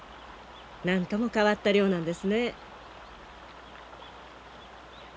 なんとも変わった漁なんですね。